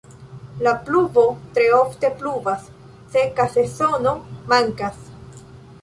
La pluvo tre ofte pluvas, seka sezono mankas.